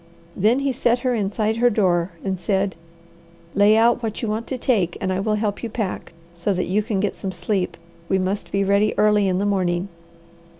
Then he set her inside her door and said, "Lay out what you want to take and I will help you pack, so that you can get some sleep. We must be ready early in the morning."